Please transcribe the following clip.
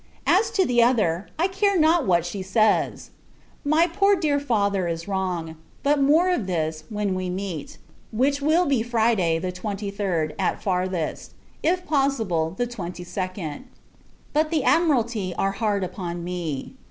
As to the other, I care not what she says. My poor dear father is wrong. But more of this, when we meet: which will be Friday, the 23d, at farthest; if possible, the 22d. But, the Admiralty are hard upon me.